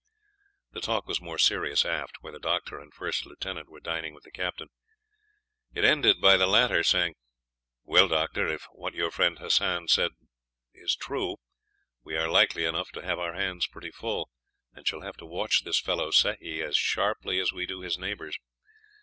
The talk was more serious aft, where the doctor and first lieutenant were dining with the captain. It ended by the latter saying, "Well, Doctor, if what your friend Hassan said be true, we are likely enough to have our hands pretty full, and shall have to watch this fellow Sehi as sharply as we do his neighbors.